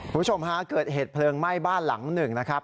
คุณผู้ชมฮะเกิดเหตุเพลิงไหม้บ้านหลังหนึ่งนะครับ